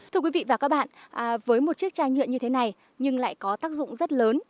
thưa quý vị và các bạn với một chiếc chai nhựa như thế này nhưng lại có tác dụng rất lớn